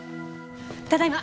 ただいま。